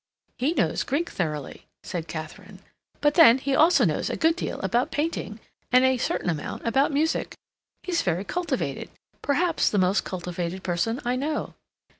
"He knows Greek thoroughly," said Katharine. "But then he also knows a good deal about painting, and a certain amount about music. He's very cultivated—perhaps the most cultivated person I know."